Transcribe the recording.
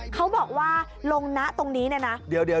เขาบอกว่าลงนะตรงนี้เนี่ยนะ